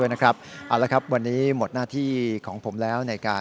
เอาละครับวันนี้หมดหน้าที่ของผมแล้วในการ